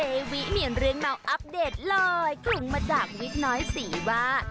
อาทิตย์นี้เจ๋วิเหมียนเรื่องเมาส์อัพเดทลอยคลุมมาจากวิทย์น้อยสี่ว่า